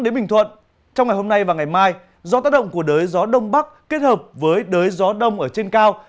đến bình thuận trong ngày hôm nay và ngày mai do tác động của đới gió đông bắc kết hợp với đới gió đông ở trên cao